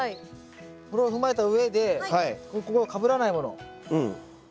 これを踏まえたうえでここがかぶらないもの。